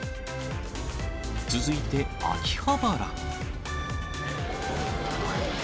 続いて秋葉原。